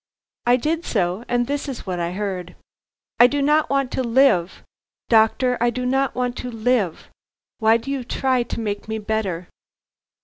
I did so, and this is what I heard: "I do not want to live; doctor, I do not want to live; why do you try to make me better?"